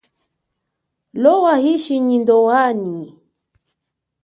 Lowa ishi nyi ndowanyi.